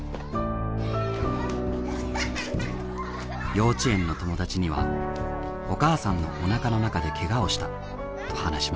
幼稚園の友達には「お母さんのおなかの中でけがをした」と話しました。